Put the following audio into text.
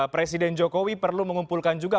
presiden jokowi perlu mengumpulkan juga